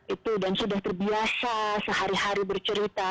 itu dan sudah terbiasa sehari hari bercerita